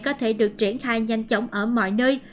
có thể được triển khai nhanh chóng ở mọi nơi